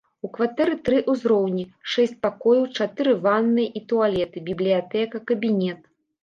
У кватэры тры ўзроўні, шэсць пакояў, чатыры ванныя і туалеты, бібліятэка, кабінет.